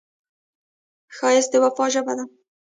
ښایست د وفا ژبه ده